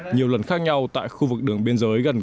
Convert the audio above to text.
nhiều lần khác nhau tại khu vực đường biên giới gần